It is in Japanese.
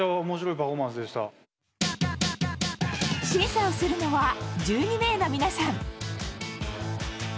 審査をするのは１２名の皆さん。